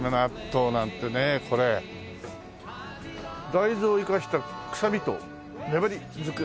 「大豆を生かした臭みと粘り少ない」。